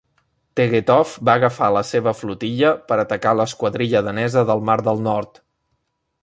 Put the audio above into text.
Tegetthoff va agafar la seva flotilla per atacar l'esquadrilla danesa del mar del Nord.